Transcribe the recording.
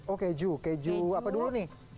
oh keju keju apa dulu nih